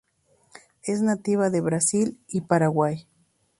Es nativa de Brasil y Paraguay.